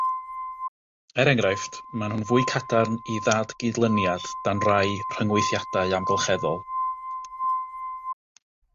Er enghraifft, maen nhw'n fwy cadarn i ddadgydlyniad dan rai rhyngweithiadau amgylcheddol.